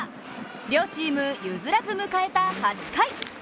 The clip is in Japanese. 両チーム譲らず迎えた８回。